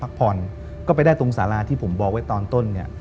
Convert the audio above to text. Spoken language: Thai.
พักผ่อนก็ไปได้ตรงสาราที่ผมบอกไว้ตอนต้นเนี่ย